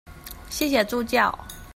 謝謝助教